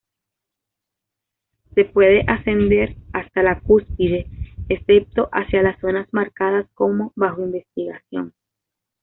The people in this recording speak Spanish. Se puede ascender hasta la cúspide, excepto hacia las zonas marcadas como "bajo investigación".